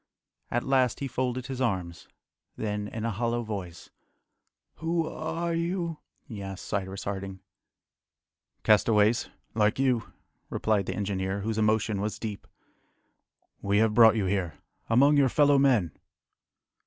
At last he folded his arms, then, in a hollow voice, "Who are you?" he asked Cyrus Harding. "Castaways, like you," replied the engineer, whose emotion was deep. "We have brought you here, among your fellow men."